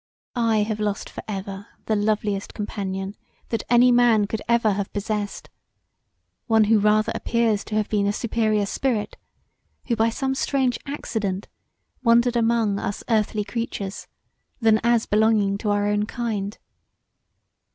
I have lost for ever the loveliest companion that any man could ever have possessed, one who rather appears to have been a superior spirit who by some strange accident wandered among us earthly creatures, than as belonging to our kind.